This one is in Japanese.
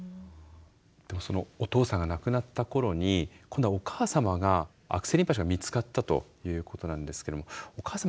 でそのお父さんが亡くなった頃に今度はお母様が悪性リンパ腫が見つかったということなんですけどもお母様